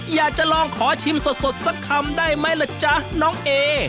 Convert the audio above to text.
อยากจะลองขอชิมสดสักคำได้ไหมล่ะจ๊ะน้องเอ